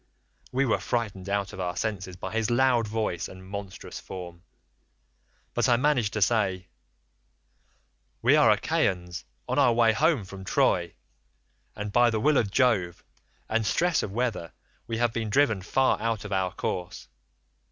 "We were frightened out of our senses by his loud voice and monstrous form, but I managed to say, 'We are Achaeans on our way home from Troy, but by the will of Jove, and stress of weather, we have been driven far out of our course.